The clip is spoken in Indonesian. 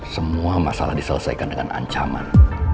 semua masalah diselesaikan dengan ancaman